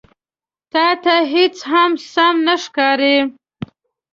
_تاته هېڅ هم سم نه ښکاري.